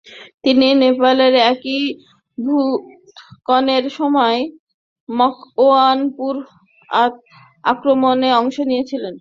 তিনি নেপালের একীভূতকরণের সময় মকওয়ানপুর আক্রমণে অংশ নিয়েছিলেন।